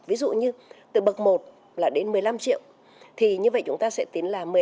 ví dụ như từ bậc một là đến một mươi năm triệu thì như vậy chúng ta sẽ tính là một mươi năm